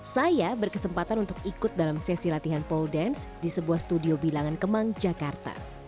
saya berkesempatan untuk ikut dalam sesi latihan pole dance di sebuah studio bilangan kemang jakarta